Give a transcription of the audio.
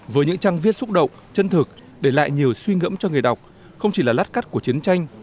với những trang viết xúc động chân thực để lại nhiều suy ngẫm cho người đọc không chỉ là lát cắt của chiến tranh